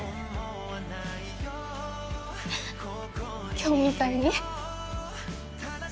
今日みたいに？